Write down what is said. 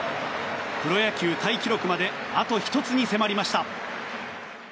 プロ野球タイ記録まであと１つに迫りました。